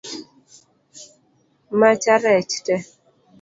Macha rech tee?